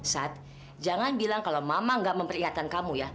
saat jangan bilang kalau mama gak memperlihatkan kamu ya